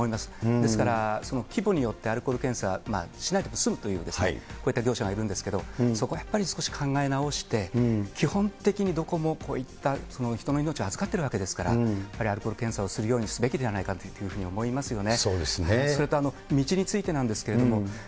ですから、規模によってアルコール検査しないでもすむというこういった業者がいるんですけれども、そこはやはり少し考え直して、基本的にどこもこういった人の命を預かってるわけですから、やっぱりアルコール検査をすべきではないかというふうに思いますよね。